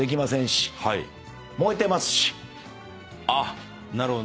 あっなるほど。